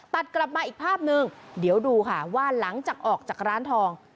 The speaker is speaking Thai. ตัดกลับมาอีกภาพนึงเดี๋ยวดูค่ะว่าหลังจากออกจากร้านทอง